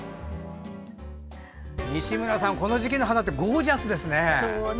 西村さん、この季節の花ゴージャスですね。